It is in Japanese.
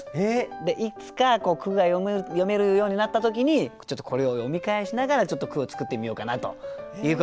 でいつか句が詠めるようになった時にちょっとこれを読み返しながらちょっと句を作ってみようかなということではい。